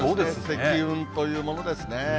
積雲というものですね。